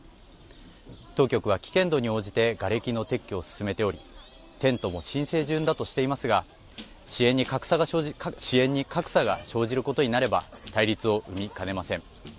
当局は危険度に応じてがれきの撤去を進めておりテントも申請順だとしていますが支援に格差が生じることになれば対立を生みかねません。